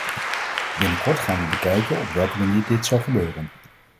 Binnenkort gaan we bekijken op welke manier dit zal gebeuren.